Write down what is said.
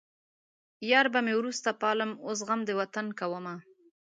يار به مې وروسته پالم اوس غم د وطن کومه